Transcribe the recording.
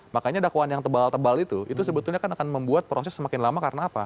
makanya dakwaan yang tebal tebal itu itu sebetulnya kan akan membuat proses semakin lama karena apa